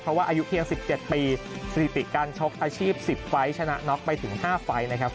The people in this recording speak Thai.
เพราะว่าอายุเพียง๑๗ปีสถิติการชกอาชีพ๑๐ไฟล์ชนะน็อกไปถึง๕ไฟล์นะครับ